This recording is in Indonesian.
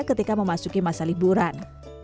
ketika memasuki masa liburan